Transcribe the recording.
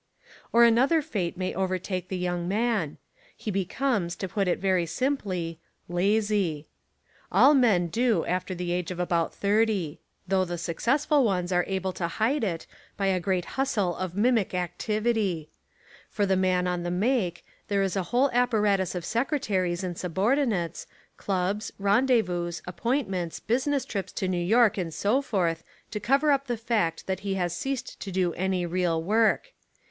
Or another fate may overtake the young man. He becomes, to put it very simply, lazy. All men do after the age of about thirty; 174 The Lot of the Schoolmaster though the successful ones are able to hide It by a great hustle of mimic activity. For the man on the make there is a whole apparatus of secretaries and subordinates, clubs, rendez vous, appointments, business trips to New York and so forth to cover up the fact that he has ceased to do any real work.